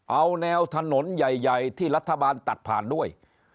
เอาแนวถนนใหญ่ที่รัฐบาลตัดผ่านด้วย